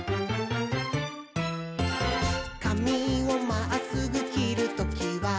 「かみをまっすぐきるときは」